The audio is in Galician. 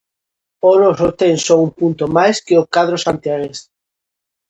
Oroso ten só un punto máis que o cadro santiagués.